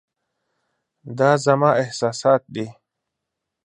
دا زما احساسات دي .